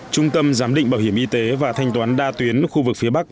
trung tâm giám định bảo hiểm y tế và thanh toán đa tuyến khu vực phía bắc